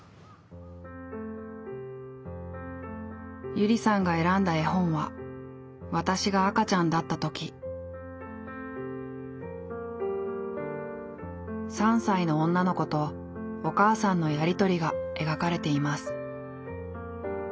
ゆりさんが選んだ絵本は３歳の女の子とお母さんのやりとりが描かれています。